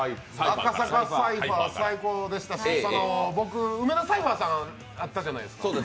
赤坂サイファー最高でしたし梅田サイファーさん、あったじゃないですか。